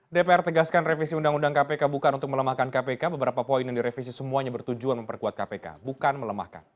dpr tegaskan revisi undang undang kpk bukan untuk melemahkan kpk beberapa poin yang direvisi semuanya bertujuan memperkuat kpk bukan melemahkan